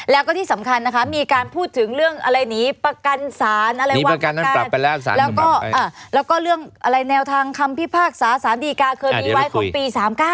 แล้วก็ที่สำคัญนะคะมีการพูดถึงเรื่องอะไรหนีประกันศาลอะไรว่ากันนะคะแล้วก็เรื่องอะไรแนวทางคำพิพากษาสารดีกาเคยมีไว้ของปี๓๙